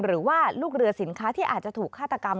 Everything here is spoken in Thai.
หรือว่าลูกเรือสินค้าที่อาจจะถูกฆาตกรรม